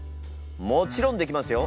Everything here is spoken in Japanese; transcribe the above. もちろんできますよ。